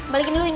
balikin dulu ini